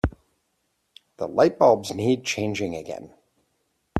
The lightbulbs need changing again.